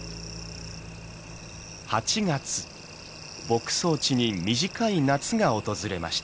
牧草地に短い夏が訪れました。